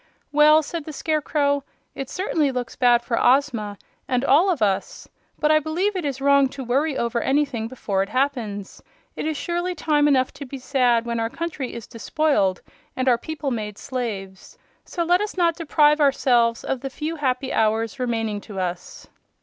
"Well," said the Scarecrow, "it certainly looks bad for Ozma, and all of us. But I believe it is wrong to worry over anything before it happens. It is surely time enough to be sad when our country is despoiled and our people made slaves. So let us not deprive ourselves of the few happy hours remaining to us."